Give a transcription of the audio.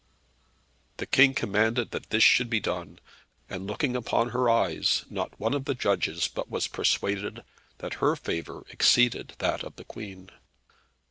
The King commanded that this should be done, and looking upon her eyes, not one of the judges but was persuaded that her favour exceeded that of the Queen.